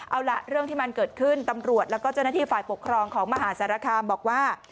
เอาล่ะเรื่องที่มันเกิดขึ้นตำรวจแล้วก็เจ้าหน้าที่ฝ่ายปกครองของมหาสารคามบอกว่า